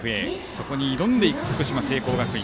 そこに挑んでいく福島・聖光学院。